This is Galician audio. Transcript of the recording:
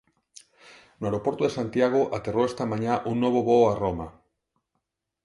No aeroporto de Santiago aterrou esta mañá un novo voo a Roma.